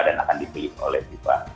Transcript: dan akan dipilih oleh fifa